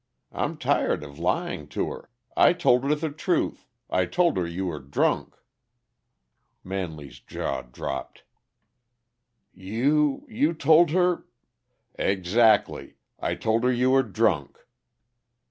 I'm tired of lying to her. I told her the truth. I told her you were drunk." Manley's jaw dropped. "You you told her " "Ex actly. I told her you were drunk."